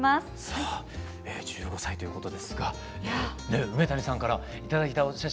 さあ１５歳ということですが梅谷さんから頂いたお写真こちらです。